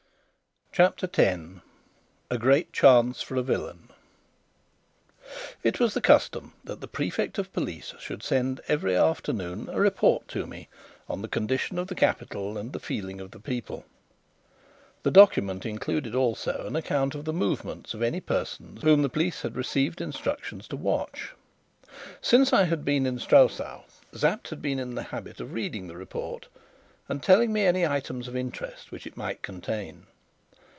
CHAPTER 10 A Great Chance for a Villain It was the custom that the Prefect of Police should send every afternoon a report to me on the condition of the capital and the feeling of the people: the document included also an account of the movements of any persons whom the police had received instructions to watch. Since I had been in Strelsau, Sapt had been in the habit of reading the report and telling me any items of interest which it might contain.